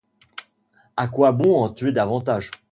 À quoi bon en tuer davantage?